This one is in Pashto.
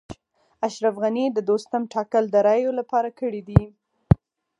اشرف غني د دوستم ټاکل د رایو لپاره کړي دي